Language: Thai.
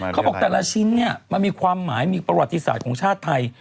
เขาบอกแต่ละชิ้นเนี่ยมันมีความหมายมีประวัติศาสตร์ของชาติไทย